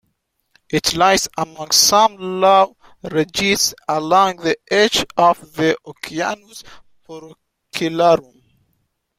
It lies among some low ridges along the edge of the Oceanus Procellarum.